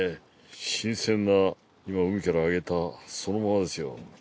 新鮮な今海から揚げたそのままですよ。